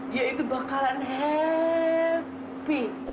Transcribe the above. dia itu bakalan heeeppy